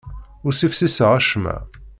Ur ssifsiseɣ acemma.